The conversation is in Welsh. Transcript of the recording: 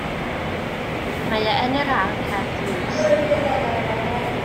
Mae e yn yr ardd heb ddrws.